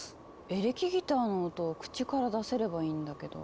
エレキギターの音を口から出せればいいんだけど。